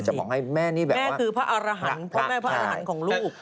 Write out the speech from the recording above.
บอกให้แม่นี่แบบแม่คือพระอารหันต์พ่อแม่พระอารหันต์ของลูก